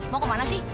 mau kemana sih